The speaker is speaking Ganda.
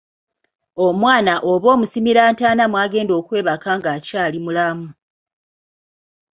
Omwana oba omusimira ntaana mwagenda okwebaka ng'akyali mulamu.